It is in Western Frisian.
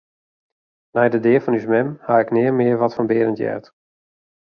Nei de dea fan ús mem haw ik nea mear wat fan Berend heard.